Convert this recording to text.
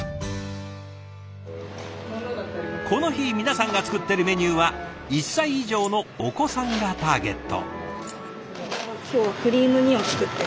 この日皆さんが作っているメニューは１歳以上のお子さんがターゲット。